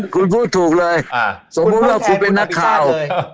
คุณพูดถูกเลยสมมุติว่าคุณเป็นนักข่าว